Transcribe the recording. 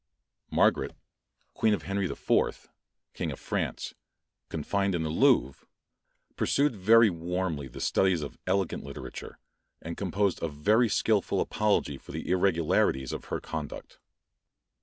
Margaret, queen of Henry the Fourth, King of France, confined in the Louvre, pursued very warmly the studies of elegant literature, and composed a very skilful apology for the irregularities of her conduct.